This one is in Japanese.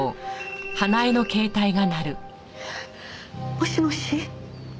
もしもし。